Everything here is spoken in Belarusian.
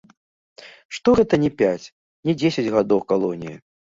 Што гэта не пяць, не дзесяць гадоў калоніі.